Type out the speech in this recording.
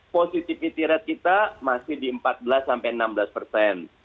positivity rate kita masih di empat belas sampai enam belas persen